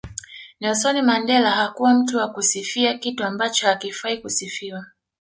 Nelsoni Mandela hakuwa mtu wa kusifia kitu ambacho hakifai kusifiwa